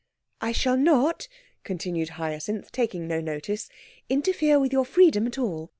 'I shall not,' continued Hyacinth, taking no notice, 'interfere with your freedom at all.